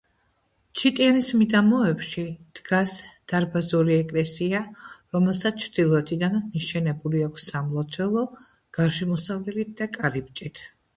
ჩიტიანის მიდამოებში დგას დარბაზული ეკლესია, რომელსაც ჩრდილოეთიდან მიშენებული აქვს სამლოცველო გარშემოსავლელით და კარიბჭით.